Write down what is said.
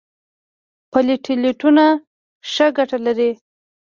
پلیټلیټونه څه ګټه لري؟